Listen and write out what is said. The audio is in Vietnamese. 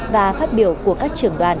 và phát biểu của các trưởng đoàn